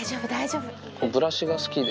ブラシが好きで。